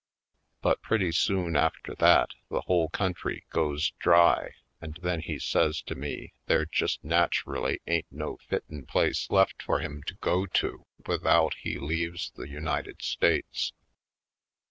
But pretty soon after that the whole country goes dry and then he says to me there just naturally ain't no fitten place left for him to go to without he leaves the United States.